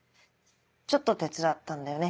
ちょっと手伝ったんだよね。